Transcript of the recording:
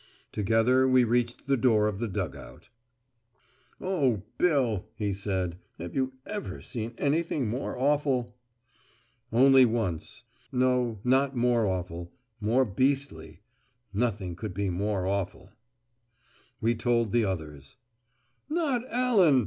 Together we reached the door of the dug out. "Oh, Bill," he said, "have you ever seen anything more awful?" "Only once. No, not more awful: more beastly. Nothing could be more awful." We told the others. "Not Allan?"